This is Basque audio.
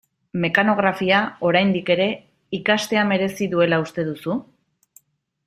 Mekanografia, oraindik ere, ikastea merezi duela uste duzu?